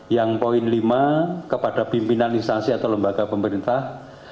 yang poin lima kepada pimpinan instansi atau lembaga pemerintah